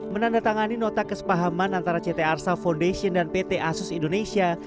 menandatangani nota kesepahaman antara ct arsa foundation dan pt asus indonesia